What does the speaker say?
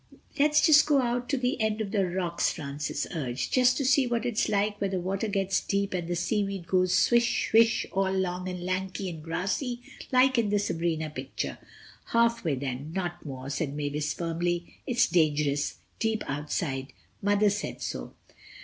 "Let's just go out to the end of the rocks," Francis urged, "just to see what it's like where the water gets deep and the seaweed goes swish, swish, all long and lanky and grassy, like in the Sabrina picture." "Halfway then, not more," said Mavis, firmly, "it's dangerous—deep outside—Mother said so."